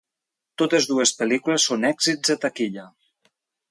Totes dues pel·lícules són èxits de taquilla.